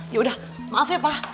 yaudah maaf ya pak